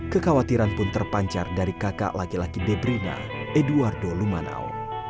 kekhawatiran pun terpancar dari kakak laki laki debrina eduardo lumanao